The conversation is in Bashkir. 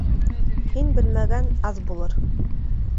Һин белмәгән аҙ булыр